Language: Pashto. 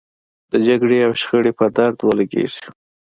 د جګړې او شخړې په درد ولګېږي.